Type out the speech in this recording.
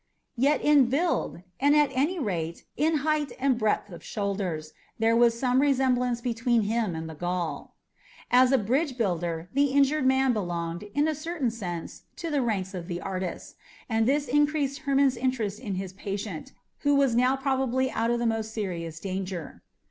Yet in build, and at any rate in height and breadth of shoulders, there was some resemblance between him and the Gaul. As a bridge builder, the injured man belonged, in a certain sense, to the ranks of the artists, and this increased Hermon's interest in his patient, who was now probably out of the most serious danger.